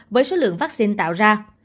với số lượng vaccine tạo ra